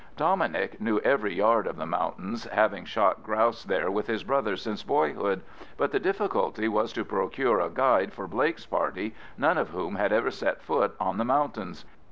Dominic knew every yard of the mountains, having shot grouse there with his brother since boyhood, but the difficulty was to procure a guide for Blake's party, none of whom had ever set foot on the mountains.